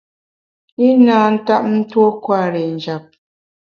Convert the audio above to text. I na ntap tuo kwer i njap.